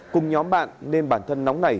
cùng nhóm bạn nên bản thân nóng nảy